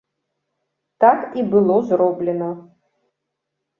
Так і было зроблена.